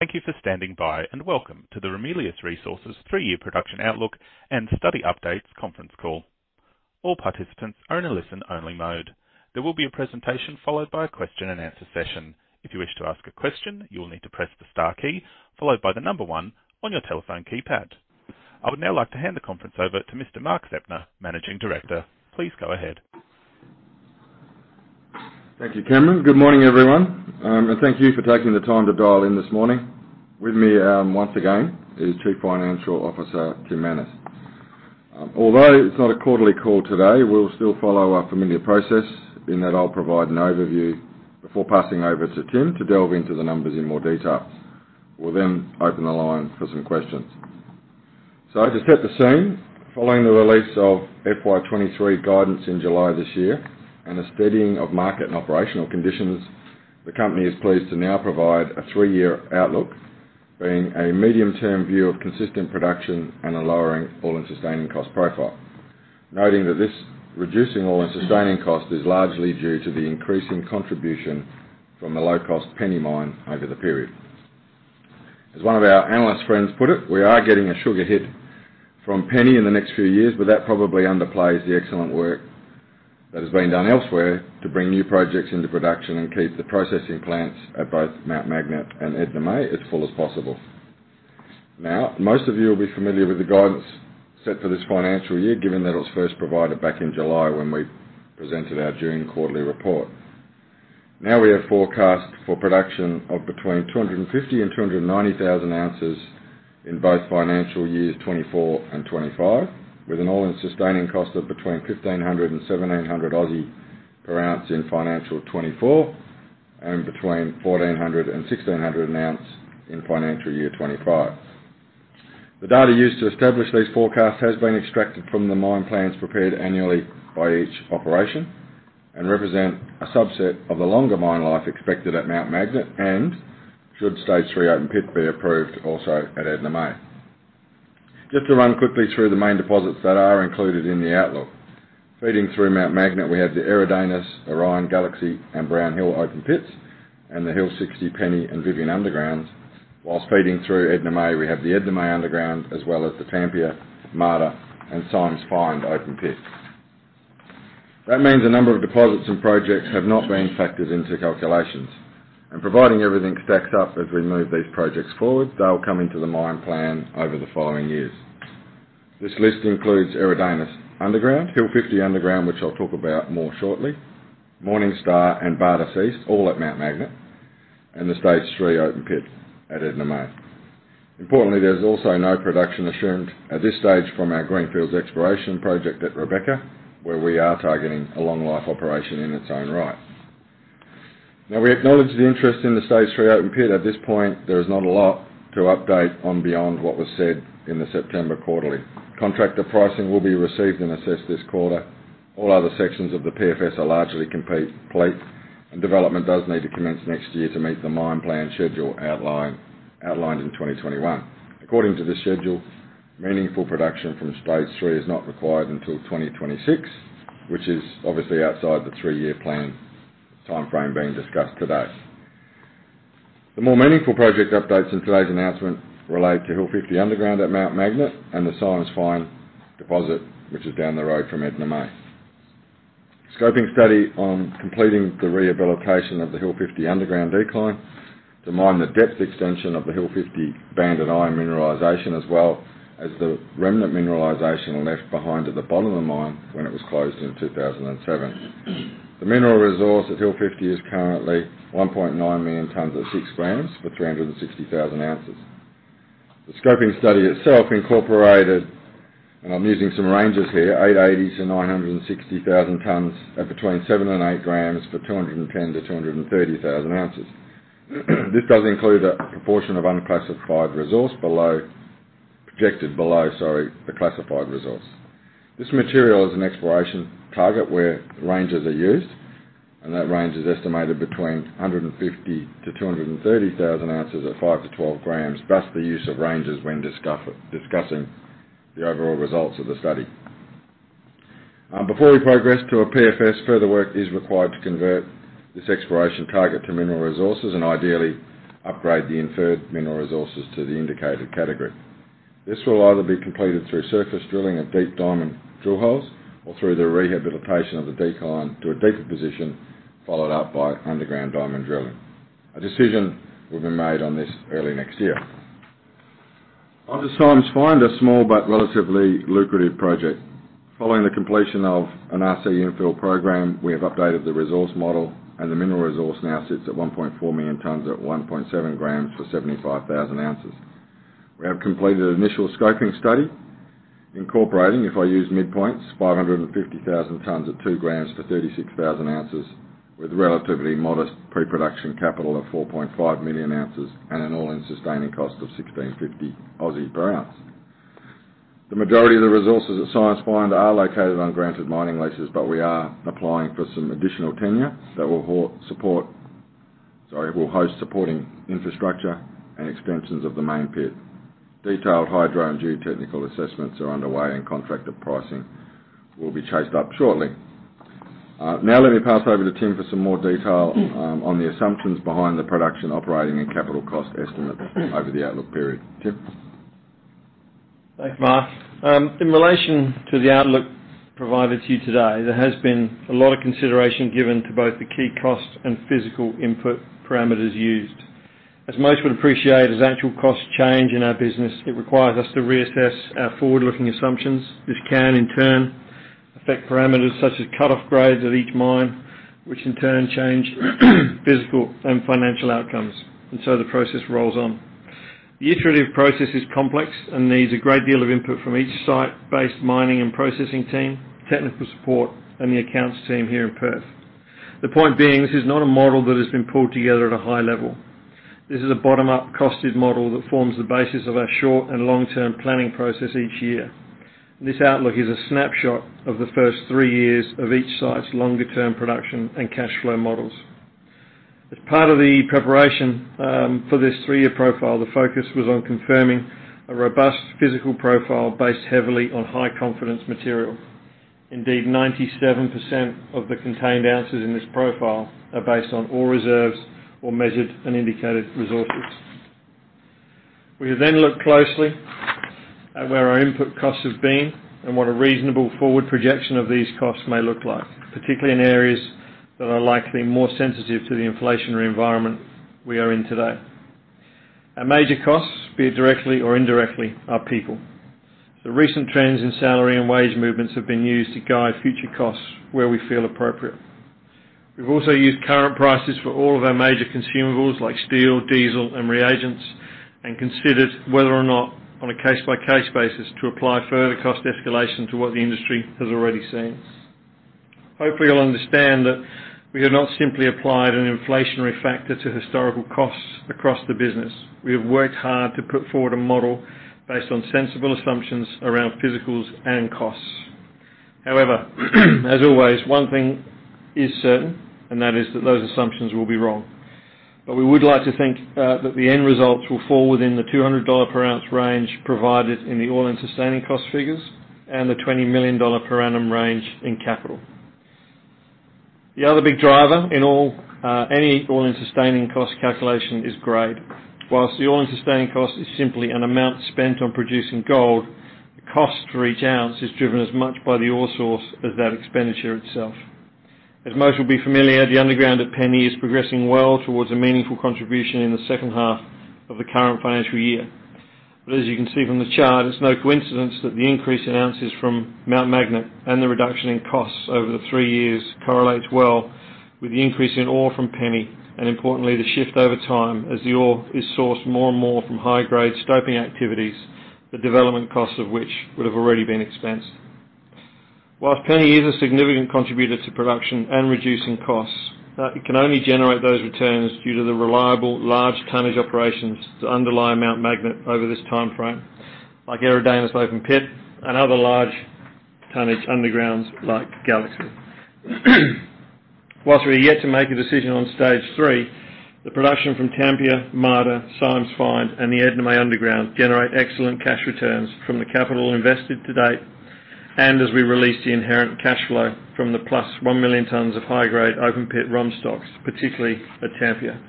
Thank you for standing by, and welcome to the Ramelius Resources three-year production outlook and study updates conference call. All participants are in a listen-only mode. There will be a presentation followed by a question and answer session. If you wish to ask a question, you will need to press the star key followed by the number one on your telephone keypad. I would now like to hand the conference over to Mr. Mark Zeptner, Managing Director. Please go ahead. Thank you, Cameron. Good morning, everyone, and thank you for taking the time to dial in this morning. With me, once again is Chief Financial Officer Tim Manners. Although it's not a quarterly call today, we'll still follow our familiar process, in that I'll provide an overview before passing over to Tim to delve into the numbers in more detail. We'll then open the line for some questions. To set the scene, following the release of FY 2023 guidance in July this year, and a steadying of market and operational conditions, the company is pleased to now provide a three-year outlook being a medium-term view of consistent production and a lowering all-in sustaining cost profile. Noting that this reducing all-in sustaining cost is largely due to the increasing contribution from the low-cost Penny Mine over the period. As one of our analyst friends put it, we are getting a sugar hit from Penny in the next few years, but that probably underplays the excellent work that has been done elsewhere to bring new projects into production and keep the processing plants at both Mt Magnet and Edna May as full as possible. Now, most of you will be familiar with the guidance set for this financial year, given that it was first provided back in July when we presented our June quarterly report. Now we have forecast for production of between 250,000 oz and 290,000 oz in both financial years 2024 and 2025, with an all-in sustaining cost of between 1,500 and 1,700 per ounce in financial 2024, and between 1,400 and 1,600 an ounce in financial year 2025. The data used to establish these forecasts has been extracted from the mine plans prepared annually by each operation and represent a subset of the longer mine life expected at Mt Magnet and, should stage three open pit be approved, also at Edna May. Just to run quickly through the main deposits that are included in the outlook. Feeding through Mt Magnet, we have the Eridanus, Orion, Galaxy and Brown Hill open pits, and the Hill 60, Penny and Vivien undergrounds. While feeding through Edna May, we have the Edna May underground as well as the Tampia, Marda and Symes' Find open pits. That means a number of deposits and projects have not been factored into calculations. Providing everything stacks up as we move these projects forward, they'll come into the mine plan over the following years. This list includes Eridanus Underground, Hill 50 Underground, which I'll talk about more shortly, Morning Star and Bartas East, all at Mt Magnet, and the stage three open pit at Edna May. Importantly, there's also no production assumed at this stage from our greenfields exploration project at Rebecca, where we are targeting a long life operation in its own right. Now, we acknowledge the interest in the stage three open pit. At this point, there is not a lot to update on beyond what was said in the September quarterly. Contractor pricing will be received and assessed this quarter. All other sections of the PFS are largely complete, and development does need to commence next year to meet the mine plan schedule outlined in 2021. According to the schedule, meaningful production from stage three is not required until 2026, which is obviously outside the three-year plan timeframe being discussed today. The more meaningful project updates in today's announcement relate to Hill 50 Underground at Mt Magnet and the Symes' Find deposit, which is down the road from Edna May. Scoping study on completing the rehabilitation of the Hill 50 Underground decline to mine the depth extension of the Hill 50 banded iron mineralization, as well as the remnant mineralization left behind at the bottom of the mine when it was closed in 2007. The mineral resource at Hill 50 is currently 1.9 million tons at 6 g for 360,000 oz. The scoping study itself incorporated, and I'm using some ranges here, 880,000-960,000 tons at 7 g-8 g for 210,000-230,000 oz. This does include a proportion of unclassified resource below the classified resource. This material is an exploration target where ranges are used, and that range is estimated between 150,000 oz-230,000 oz at 5 g-12 g, thus the use of ranges when discussing the overall results of the study. Before we progress to a PFS, further work is required to convert this exploration target to mineral resources and ideally upgrade the inferred mineral resources to the indicated category. This will either be completed through surface drilling of deep diamond drill holes or through the rehabilitation of the decline to a deeper position, followed up by underground diamond drilling. A decision will be made on this early next year. On to Symes' Find, a small but relatively lucrative project. Following the completion of an RC infill program, we have updated the resource model, and the mineral resource now sits at 1,400,000 tons at 1.7 g for 75,000 oz. We have completed an initial scoping study incorporating, if I use midpoints, 550,000 tons at 2 g for 36,000 oz with relatively modest pre-production capital of 4.5 million and an all-in sustaining cost of 1,650 per ounce. The majority of the resources at Symes' Find are located on granted mining leases, but we are applying for some additional tenure that will host supporting infrastructure and expansions of the main pit. Detailed hydro and geotechnical assessments are underway, and contracted pricing will be chased up shortly. Now let me pass over to Tim for some more detail on the assumptions behind the production operating and capital cost estimate over the outlook period. Tim? Thanks, Mark. In relation to the outlook provided to you today, there has been a lot of consideration given to both the key costs and physical input parameters used. As most would appreciate, as actual costs change in our business, it requires us to reassess our forward-looking assumptions. This can, in turn, affect parameters such as cut-off grades at each mine, which in turn change physical and financial outcomes, and so the process rolls on. The iterative process is complex and needs a great deal of input from each site-based mining and processing team, technical support, and the accounts team here in Perth. The point being, this is not a model that has been pulled together at a high level. This is a bottom-up costed model that forms the basis of our short and long-term planning process each year. This outlook is a snapshot of the first three years of each site's longer-term production and cash flow models. As part of the preparation for this three-year profile, the focus was on confirming a robust physical profile based heavily on high-confidence material. Indeed, 97% of the contained ounces in this profile are based on ore reserves or measured and indicated resources. We have then looked closely at where our input costs have been and what a reasonable forward projection of these costs may look like, particularly in areas that are likely more sensitive to the inflationary environment we are in today. Our major costs, be it directly or indirectly, are people. The recent trends in salary and wage movements have been used to guide future costs where we feel appropriate. We've also used current prices for all of our major consumables like steel, diesel, and reagents, and considered whether or not, on a case-by-case basis, to apply further cost escalation to what the industry has already seen. Hopefully, you'll understand that we have not simply applied an inflationary factor to historical costs across the business. We have worked hard to put forward a model based on sensible assumptions around physicals and costs. However, as always, one thing is certain, and that is that those assumptions will be wrong. But we would like to think that the end results will fall within the 200 dollar per ounce range provided in the all-in sustaining cost figures and the 20 million dollar per annum range in capital. The other big driver in any all-in sustaining cost calculation is grade. While the all-in sustaining cost is simply an amount spent on producing gold, the cost for each ounce is driven as much by the ore source as that expenditure itself. As most will be familiar, the underground at Penny is progressing well towards a meaningful contribution in the second half of the current financial year. As you can see from the chart, it's no coincidence that the increase in ounces from Mt Magnet and the reduction in costs over the three years correlates well with the increase in ore from Penny, and importantly, the shift over time as the ore is sourced more and more from high-grade stoping activities, the development costs of which would have already been expensed. While Penny is a significant contributor to production and reducing costs, it can only generate those returns due to the reliable large tonnage operations to underlie Mt Magnet over this timeframe, like Eridanus's open pit and other large tonnage undergrounds like Galaxy. While we are yet to make a decision on stage three, the production from Tampia, Marda, Symes' Find, and the Edna May underground generate excellent cash returns from the capital invested to date, and as we release the inherent cash flow from the plus 1 million tons of high-grade open pit ROM stocks, particularly at Tampia.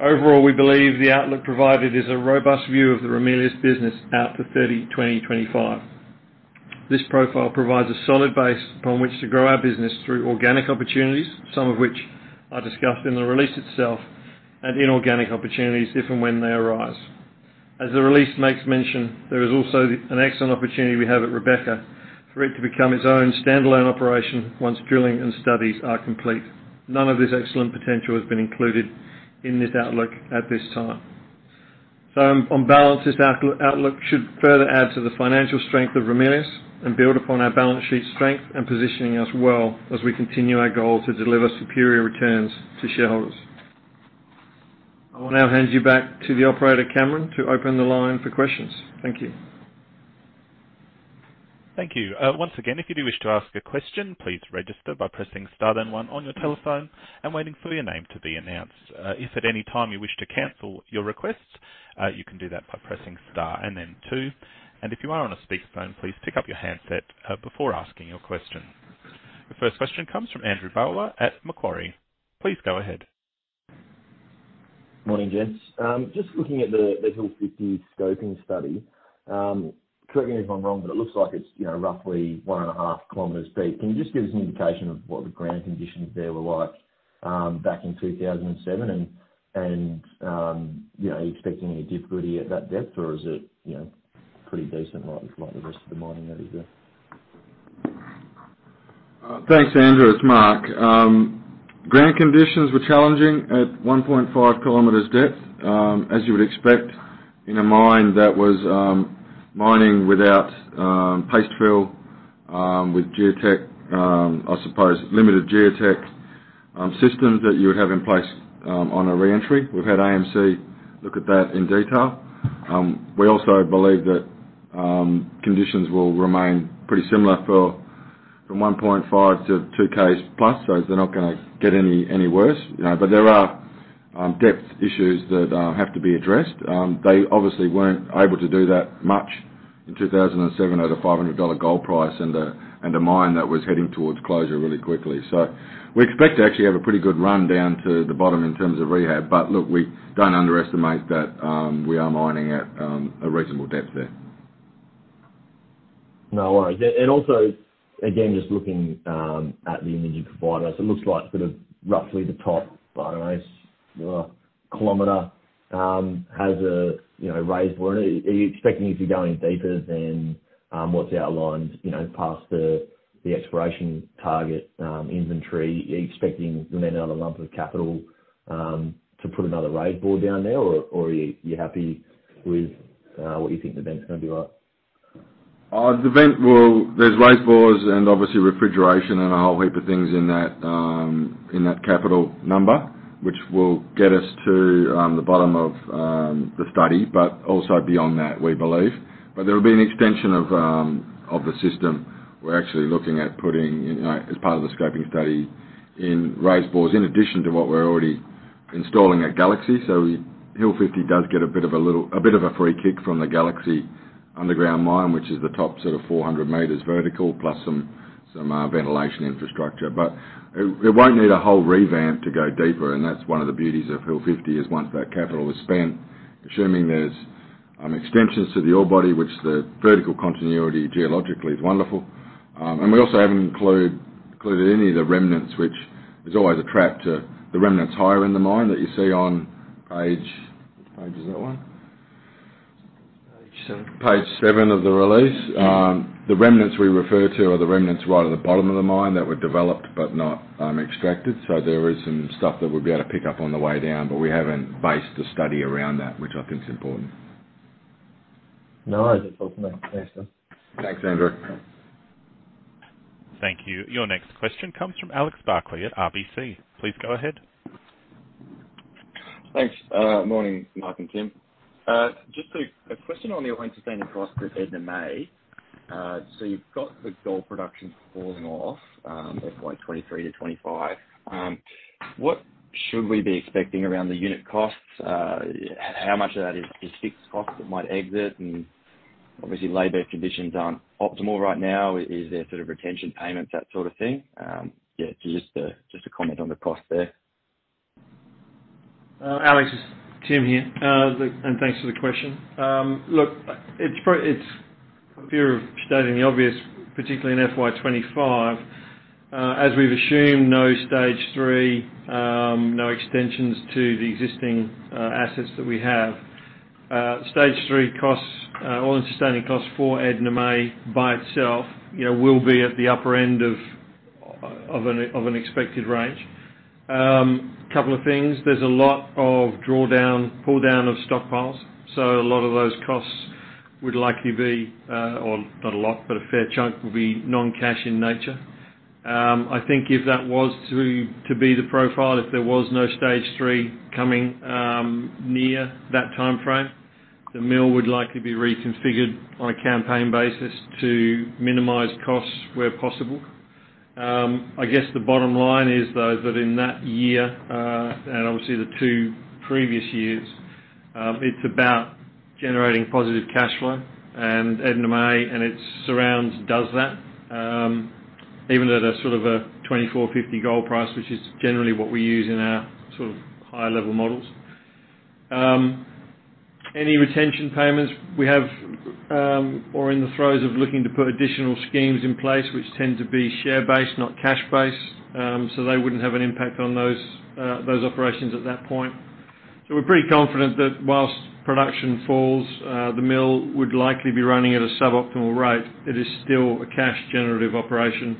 Overall, we believe the outlook provided is a robust view of the Ramelius business out to 2025. This profile provides a solid base upon which to grow our business through organic opportunities, some of which are discussed in the release itself, and inorganic opportunities if and when they arise. As the release makes mention, there is also an excellent opportunity we have at Rebecca for it to become its own standalone operation once drilling and studies are complete. None of this excellent potential has been included in this outlook at this time. On balance, this outlook should further add to the financial strength of Ramelius and build upon our balance sheet strength and positioning us well as we continue our goal to deliver superior returns to shareholders. I will now hand you back to the operator, Cameron, to open the line for questions. Thank you. Thank you. Once again, if you do wish to ask a question, please register by pressing star then one on your telephone and waiting for your name to be announced. If at any time you wish to cancel your request, you can do that by pressing star and then two. If you are on a speakerphone, please pick up your handset before asking your question. The first question comes from Andrew Bowler at Macquarie. Please go ahead. Morning, gents. Just looking at the Hill 50 scoping study. Correct me if I'm wrong, but it looks like it's, you know, roughly one and a half kilometers deep. Can you just give us an indication of what the ground conditions there were like back in 2007? You know, are you expecting any difficulty at that depth or is it, you know, pretty decent like the rest of the mining that is there? Thanks, Andrew. It's Mark. Ground conditions were challenging at 1.5 km depth, as you would expect in a mine that was mining without paste fill, with geotech, I suppose limited geotech, systems that you would have in place, on a re-entry. We've had AMC look at that in detail. We also believe that conditions will remain pretty similar from 1.5 km-2 km plus. They're not gonna get any worse. You know, but there are depth issues that have to be addressed. They obviously weren't able to do that much in 2007 at a $500 gold price and a mine that was heading towards closure really quickly. We expect to actually have a pretty good run down to the bottom in terms of rehab. Look, we don't underestimate that, we are mining at a reasonable depth there. No worries. Also, again, just looking at the imaging provided, it looks like sort of roughly the top, I don't know, kilometer has a you know raise bore. Are you expecting to be going deeper than what's outlined, you know, past the exploration target inventory? Are you expecting to bring in another lump of capital to put another raise bore down there? Or are you happy with what you think the vent's gonna be like? There's raise bores and obviously refrigeration and a whole heap of things in that capital number, which will get us to the bottom of the study, but also beyond that, we believe. There'll be an extension of the system. We're actually looking at putting in as part of the scoping study in raise bores, in addition to what we're already installing at Galaxy. Hill 50 does get a bit of a free kick from the Galaxy underground mine, which is the top sort of 400 meters vertical plus some ventilation infrastructure. It won't need a whole revamp to go deeper, and that's one of the beauties of Hill 50 is once that capital is spent, assuming there's extensions to the ore body, which the vertical continuity geologically is wonderful. We also haven't included any of the remnants, which is always a trap to the remnants higher in the mine that you see on page. Which page is that one? Page seven. Page seven of the release. The remnants we refer to are right at the bottom of the mine that were developed but not extracted. There is some stuff that we'd be able to pick up on the way down, but we haven't based the study around that, which I think is important. No, that's awesome. Thanks, guys. Thanks, Andrew. Thank you. Your next question comes from Alex Barkley at RBC. Please go ahead. Thanks. Morning, Mark and Tim. Just a question on the all-in sustaining costs at Edna May. You've got the gold production falling off at 0.23-0.25. What should we be expecting around the unit costs? How much of that is fixed cost that might exit? Obviously, labor conditions aren't optimal right now. Is there sort of retention payments, that sort of thing? Yeah, just a comment on the cost there. Alex, it's Tim here. Thanks for the question. Look, it's fear of stating the obvious, particularly in FY 2025. As we've assumed, no stage three, no extensions to the existing assets that we have. Stage three costs, all-in sustaining costs for Edna May by itself, you know, will be at the upper end of an expected range. Couple of things, there's a lot of drawdown, pull down of stockpiles. So a lot of those costs would likely be, or not a lot, but a fair chunk will be non-cash in nature. I think if that was to be the profile, if there was no stage three coming near that timeframe, the mill would likely be reconfigured on a campaign basis to minimize costs where possible. I guess the bottom line is, though, that in that year, and obviously the two previous years, it's about generating positive cash flow, and Edna May and its surrounds does that. Even at a sort of a 2450 gold price, which is generally what we use in our sort of higher level models. Any retention payments we have, or in the throes of looking to put additional schemes in place, which tend to be share-based, not cash-based. They wouldn't have an impact on those operations at that point. We're pretty confident that whilst production falls, the mill would likely be running at a suboptimal rate. It is still a cash generative operation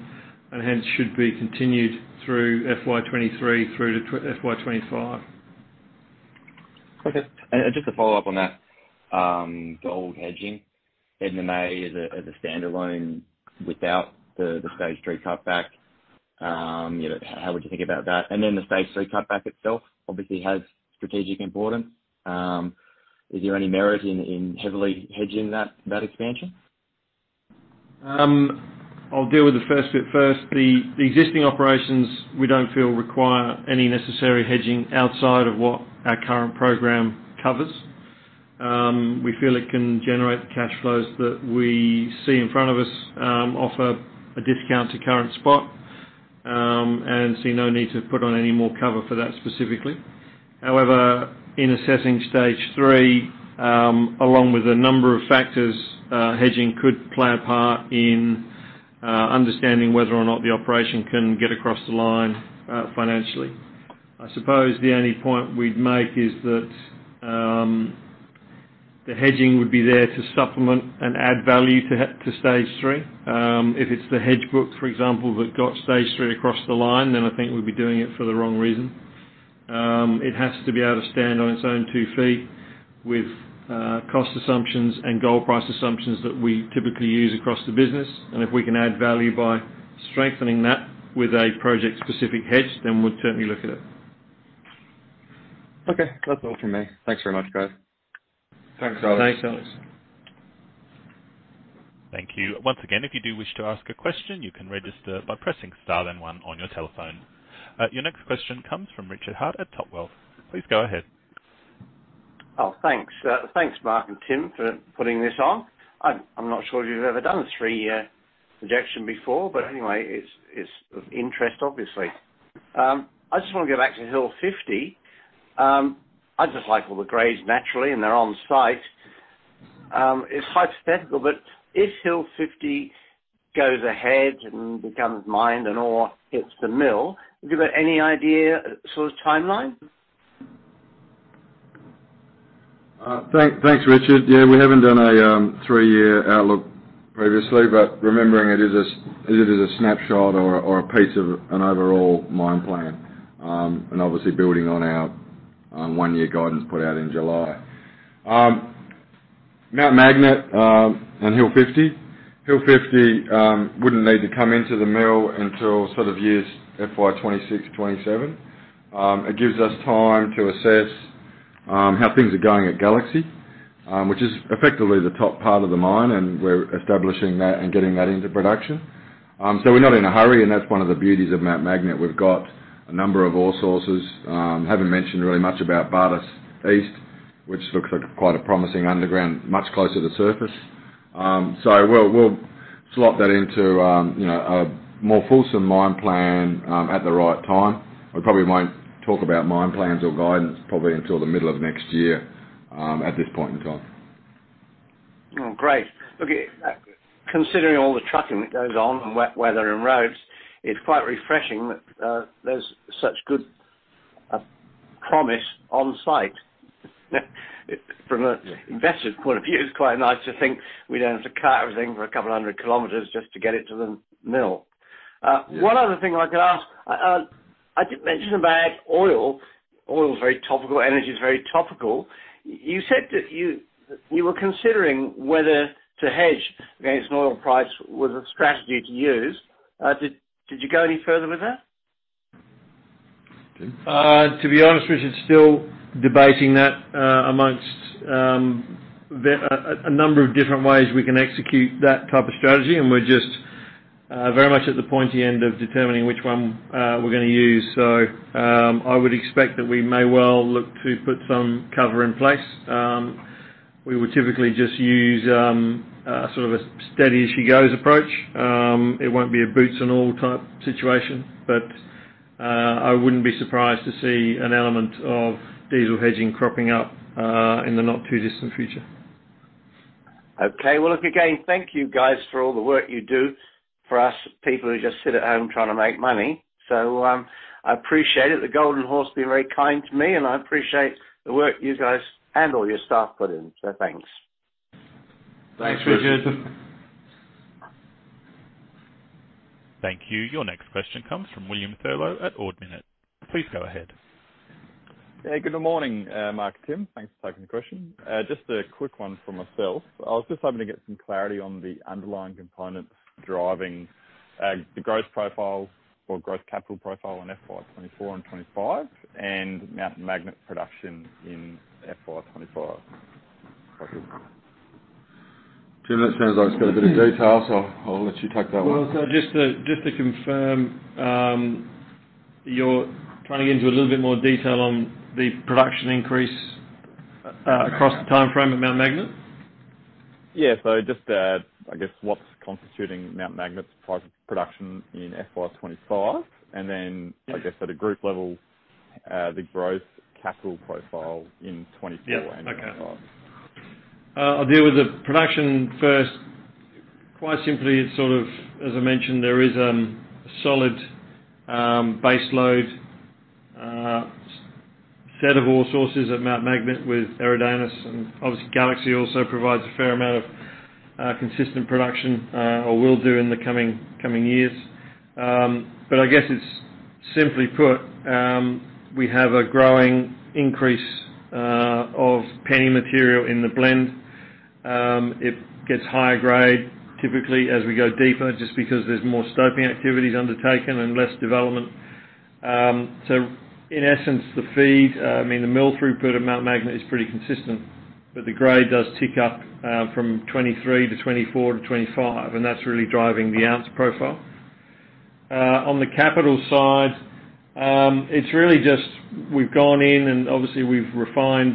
and hence should be continued through FY 2023 through to FY 2025. Okay. Just to follow up on that, gold hedging. Edna May as a standalone without the stage three cutback, you know, how would you think about that? Then the stage three cutback itself obviously has strategic importance. Is there any merit in heavily hedging that expansion? I'll deal with the first bit first. The existing operations we don't feel require any necessary hedging outside of what our current program covers. We feel it can generate the cash flows that we see in front of us, offer a discount to current spot, and see no need to put on any more cover for that specifically. However, in assessing stage three, along with a number of factors, hedging could play a part in understanding whether or not the operation can get across the line, financially. I suppose the only point we'd make is that, the hedging would be there to supplement and add value to stage three. If it's the hedge book, for example, that got stage three across the line, then I think we'd be doing it for the wrong reason. It has to be able to stand on its own two feet with cost assumptions and gold price assumptions that we typically use across the business. If we can add value by strengthening that with a project-specific hedge, then we'd certainly look at it. Okay. That's all from me. Thanks very much, guys. Thanks, Alex. Thanks, Alex. Thank you. Once again, if you do wish to ask a question, you can register by pressing star then one on your telephone. Your next question comes from Richard Hart at [Hartleys]. Please go ahead. Oh, thanks. Thanks Mark and Tim for putting this on. I'm not sure if you've ever done a three-year projection before, but anyway, it's of interest, obviously. I just wanna get back to Hill 50. I just like all the grades naturally, and they're on-site. It's hypothetical, but if Hill 50 goes ahead and becomes mined and ore hits the mill, have you got any idea, sort of timeline? Thanks, Richard. Yeah, we haven't done a three-year outlook previously, but remembering it is a snapshot or a piece of an overall mine plan. Obviously building on our one-year guidance put out in July. Mt Magnet and Hill 50. Hill 50 wouldn't need to come into the mill until sort of years FY 2026, 2027. It gives us time to assess how things are going at Galaxy, which is effectively the top part of the mine, and we're establishing that and getting that into production. We're not in a hurry, and that's one of the beauties of Mt Magnet. We've got a number of ore sources. Haven't mentioned really much about Bartas East, which looks like quite a promising underground, much closer to surface. We'll slot that into, you know, a more fulsome mine plan, at the right time. We probably won't talk about mine plans or guidance probably until the middle of next year, at this point in time. Oh, great. Look, considering all the trucking that goes on and wet weather and roads, it's quite refreshing that there's such good promise on-site. From an investor's point of view, it's quite nice to think we don't have to cart everything for 200 km just to get it to the mill. Yeah. One other thing I could ask. I did mention about oil. Oil is very topical. Energy is very topical. You said that you were considering whether to hedge against an oil price with a strategy to use. Did you go any further with that? To be honest, Richard, still debating that, among a number of different ways we can execute that type of strategy, and we're just very much at the pointy end of determining which one we're gonna use. I would expect that we may well look to put some cover in place. We would typically just use sort of a steady as she goes approach. It won't be a boots and all type situation, but I wouldn't be surprised to see an element of diesel hedging cropping up in the not too distant future. Okay. Well, look, again, thank you, guys, for all the work you do for us people who just sit at home trying to make money. I appreciate it. The golden horse been very kind to me, and I appreciate the work you guys and all your staff put in, so thanks. Thanks, Richard. Thank you. Your next question comes from William Thurlow at Ord Minnett. Please go ahead. Yeah, good morning, Mark and Tim. Thanks for taking the question. Just a quick one from myself. I was just hoping to get some clarity on the underlying components driving the growth profile or growth capital profile on FY 2024 and 2025 and Mt Magnet production in FY 2025. Tim, that sounds like it's got a bit of detail, so I'll let you take that one. Well, just to confirm, you're planning to get into a little bit more detail on the production increase across the timeframe at Mt Magnet? Yeah. Just, I guess what's constituting Mt Magnet's type of production in FY 2025. Then- Yeah. I guess at a group level, the growth capital profile in 2024 Yeah. Okay. -and 2025. I'll deal with the production first. Quite simply, it's sort of, as I mentioned, there is solid baseload set of ore sources at Mt Magnet with Eridanus, and obviously Galaxy also provides a fair amount of consistent production, or will do in the coming years. I guess it's simply put, we have a growing increase of penny material in the blend. It gets higher grade typically as we go deeper just because there's more stoping activities undertaken and less development. In essence, the feed, I mean the mill throughput at Mt Magnet is pretty consistent, but the grade does tick up from 2023 to 2024 to 2025, and that's really driving the ounce profile. On the capital side, it's really just we've gone in and obviously we've refined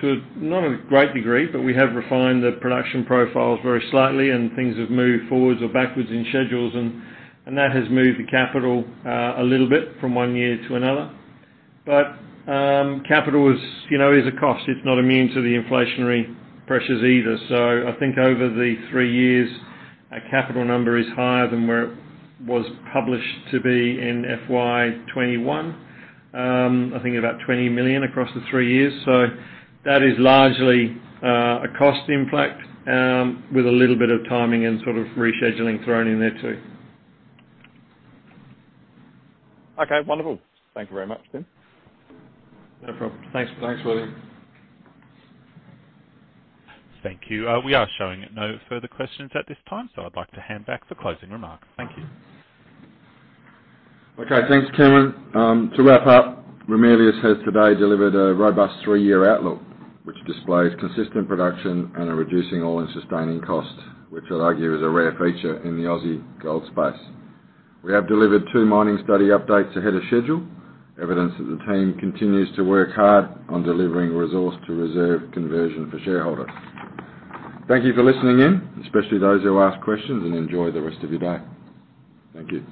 to not a great degree, but we have refined the production profiles very slightly and things have moved forward or backward in schedules and that has moved the capital a little bit from one year to another. Capital is, you know, is a cost. It's not immune to the inflationary pressures either. I think over the three years, our capital number is higher than where it was published to be in FY 2021. I think about 20 million across the three years. That is largely a cost impact with a little bit of timing and sort of rescheduling thrown in there too. Okay, wonderful. Thank you very much, Tim. No problem. Thanks. Thanks, William. Thank you. We are showing no further questions at this time, so I'd like to hand back for closing remarks. Thank you. Okay. Thanks, Cameron. To wrap up, Ramelius has today delivered a robust three-year outlook, which displays consistent production and a reducing all-in sustaining cost, which I'd argue is a rare feature in the Aussie gold space. We have delivered two mining study updates ahead of schedule, evidence that the team continues to work hard on delivering resource to reserve conversion for shareholders. Thank you for listening in, especially those who asked questions and enjoy the rest of your day. Thank you.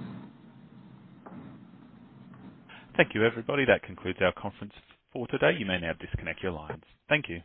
Thank you, everybody. That concludes our conference for today. You may now disconnect your lines. Thank you.